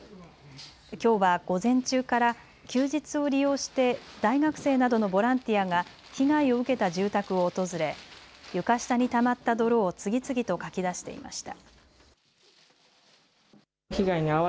きょうは午前中から休日を利用して大学生などのボランティアが被害を受けた住宅を訪れ床下にたまった泥を次々とかき出していました。